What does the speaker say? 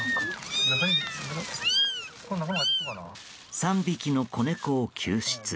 ３匹の子猫を救出。